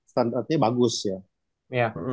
standartnya bagus ya ya